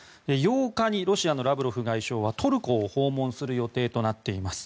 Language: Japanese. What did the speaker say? ８日にロシアのラブロフ外相はトルコを訪問する予定となっています。